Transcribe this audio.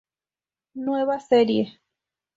Nueva Serie.